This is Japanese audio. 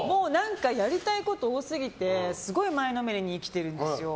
やりたいこと多すぎてすごい前のめりに生きているんですよ。